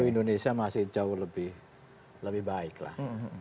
indonesia masih jauh lebih baik lah